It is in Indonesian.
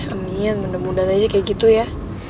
amin mudah mudahan aja kayak gitu ya